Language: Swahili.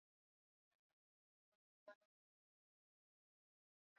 Shinyanga na Mwanza miaka mingi iliyopitaTatu MagharibiBhanangweli Huku utakutana na Wasumva au